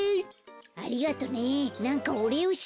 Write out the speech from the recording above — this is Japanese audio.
ありがとねなんかおれいをしないと。